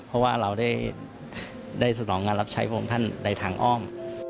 เพราะว่าเราได้สนองงานรับใช้พระองค์ท่านในทางอ้อม